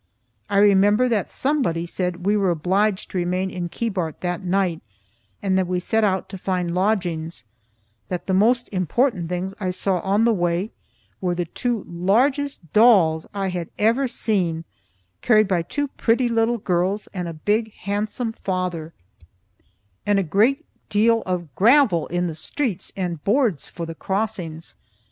I remember that somebody said we were obliged to remain in Keebart that night and that we set out to find lodgings; that the most important things I saw on the way were the two largest dolls I had ever seen, carried by two pretty little girls, and a big, handsome father; and a great deal of gravel in the streets, and boards for the crossings.